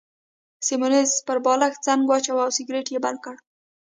سیمونز پر بالښت څنګ واچاوه او سګرېټ يې بل کړ.